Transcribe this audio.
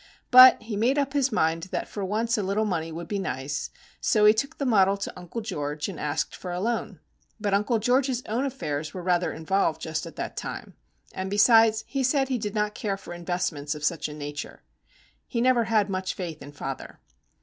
But he made up his mind that for once a little money would be nice; so he took the model to Uncle George and asked for a loan. But Uncle George's own affairs were rather involved just at that time, and besides he said he did not care for investments of such a nature. He never had much faith in father.